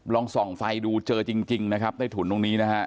ลองส่องไฟดูเจอจริงนะครับใต้ถุนตรงนี้นะฮะ